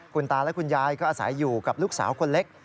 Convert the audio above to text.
คุณตาและคุณยายก็อาศัยอยู่กับลูกสาวคนเล็ก